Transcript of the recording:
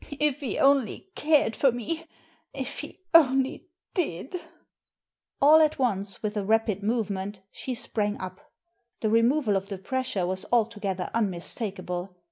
If he only carec for me ! If he only did All at once, with a rapid movement, she sprarg up. The removal of the pressure was altogether unmistakable.